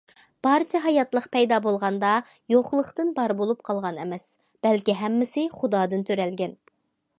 بارچە ھاياتلىق پەيدا بولغاندا، يوقلۇقتىن بار بولۇپ قالغان ئەمەس، بەلكى ھەممىسى خۇدادىن تۆرەلگەن.